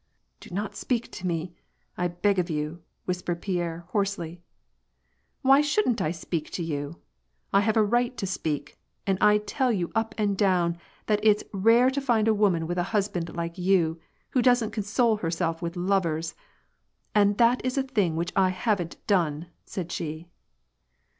"Do not speak to me, I beg of you," whispered Pierre, hoarsely. " Why shouldn't I speak to you. I have a right to speak, and I tell you up and down that it's rare to find a woman with a husband like you, who doesn't console herself with lovers,* and that is a thing that I haven't done," said she.